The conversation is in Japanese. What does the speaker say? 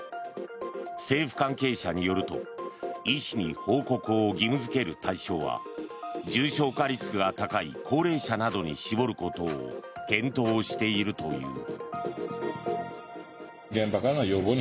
政府関係者によると医師に報告を義務付ける対象は重症化リスクが高い高齢者などに絞ることを検討しているという。